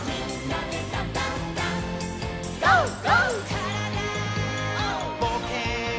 「からだぼうけん」